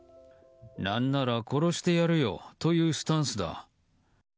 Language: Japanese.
何なら殺してやるよというスタンスだ。